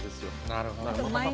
なるほど。